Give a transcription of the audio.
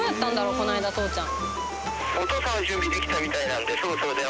この間父ちゃん。